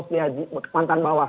siapa mantan bawah